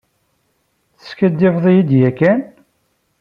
Teskaddebeḍ-iyi-d yakan?